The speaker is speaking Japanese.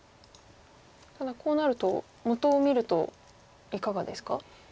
ただこうなると元を見るといかがですか？